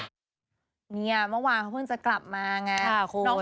เมื่อวานเขาเพิ่งจะกลับมาไง